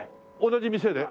同じ店で？